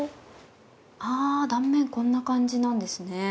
断面、こんな感じなんですね。